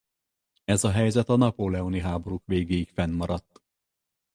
Ez a helyzet a napóleoni háborúk végéig fennmaradt.